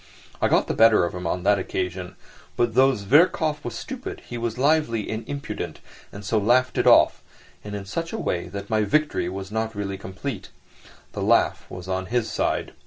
I got the better of him on that occasion, but though Zverkov was stupid he was lively and impudent, and so laughed it off, and in such a way that my victory was not really complete; the laugh was on his side.